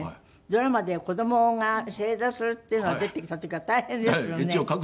ドラマで子供が正座するっていうのが出てきた時は大変ですよね。